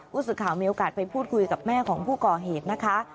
ผู้สื่อข่าวมีโอกาสไปพูดคุยกับแม่ของผู้ก่อเหตุนะคะ